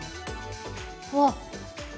うわっ。